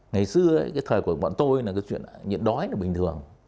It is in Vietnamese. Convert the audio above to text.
ngày xưa cái thời của bọn tôi là cái chuyện nhiễm đói là bình thường